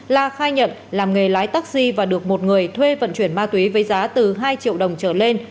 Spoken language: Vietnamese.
la khai nhận làm nghề lái taxi và được một người thuê vận chuyển ma túy với giá từ hai triệu đồng trở lên